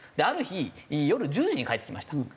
ある日夜１０時に帰ってきました。